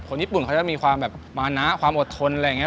ญี่ปุ่นเขาจะมีความแบบมานะความอดทนอะไรอย่างนี้